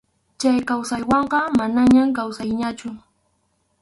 Chay kawsaywanqa manañam kawsayñachu.